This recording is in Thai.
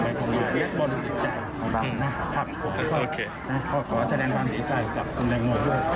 ไม่มีอะไรไม่มีอะไรซ่อนเล็กแบบของทุกอย่าง